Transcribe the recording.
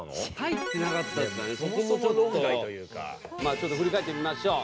ちょっと振り返ってみましょう。